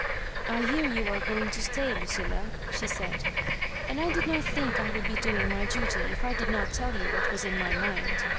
" I hear you are going to stay, Lucilla," she said. and I did not think I would be doing my duty if I did not tell you what Was in my mind.